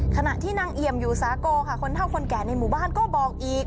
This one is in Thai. ขณะที่นางเอี่ยมอยู่สาโกค่ะคนเท่าคนแก่ในหมู่บ้านก็บอกอีก